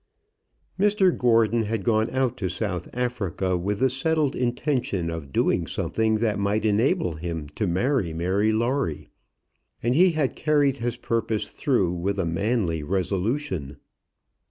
Mr Gordon had gone out to South Africa with the settled intention of doing something that might enable him to marry Mary Lawrie, and he had carried his purpose through with a manly resolution.